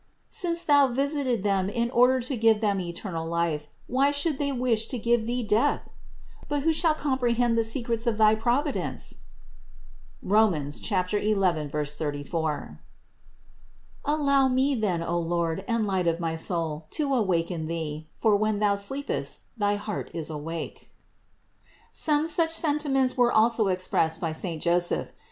Since Thou visited them in order to give them eternal life, why should they wish to give Thee death? But who shall compre hend the secrets of thy Providence? (Rom. 11, 34). Allow me, then, O Lord and light of my soul, to awaken Thee ; for when thou sleepest thy heart is awake." 613. Some such sentiments were also expressed by saint Joseph.